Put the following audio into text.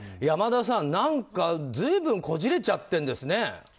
山田さん、何かずいぶんこじれちゃってるんですね。